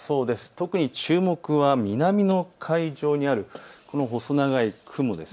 特に注目は南の海上にあるこの細長い雲です。